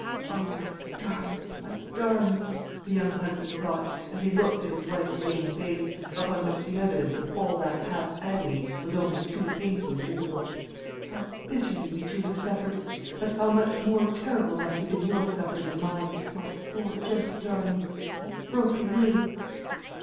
"O my darling, my darling!" the young husband thought, as he looked at his wife's wan face, upon which the evidence of all that past agony was only too painfully visible, "how bitterly we two have suffered! But how much more terrible must have been your suffering than mine, my poor gentle darling, my broken lily!"